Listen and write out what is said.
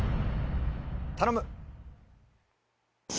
頼む！